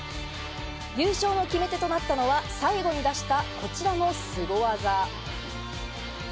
優勝の決め手となったのは最後に出した、こちらのスゴ技。